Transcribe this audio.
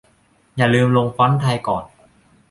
อย่าลืมลงฟอนต์ไทยก่อน